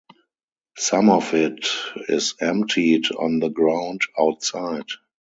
Some of it is emptied on the ground outside.